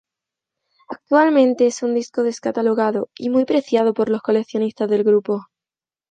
Actualmente es un disco descatalogado y muy preciado por los coleccionistas del grupo.